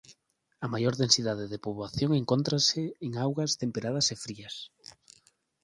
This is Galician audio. A maior densidade de poboación encóntrase en augas temperadas e frías.